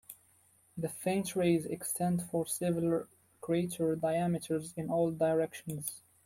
The faint rays extend for several crater diameters in all directions.